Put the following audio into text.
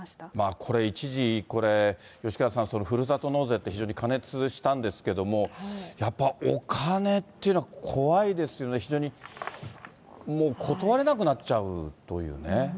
これ、一時、これ、吉川さん、ふるさと納税って、非常に過熱したんですけれども、やっぱお金っていうのは怖いですよね、非常にもう断れなくなっちゃうというね。